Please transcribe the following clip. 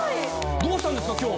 どうしたんですか？